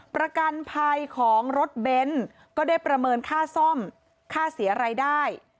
ประกันภัยของรถเบนท์ก็ได้ประเมินค่าซ่อมค่าเสียรายได้